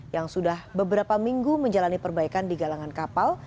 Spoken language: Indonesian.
yang sudah beberapa minggu menjalani perbaikan di galangan kapal